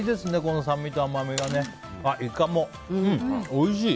おいしい！